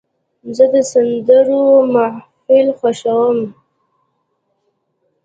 زه د سندرو محفل خوښوم.